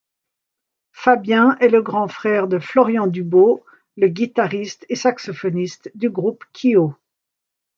Fabien est le grand-frère de Florian Dubos, le guitariste et saxophoniste du groupe Kyo.